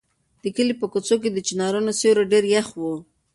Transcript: د کلي په کوڅو کې د چنارونو سیوري ډېر یخ وو.